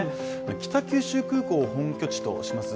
北九州空港を本拠地とします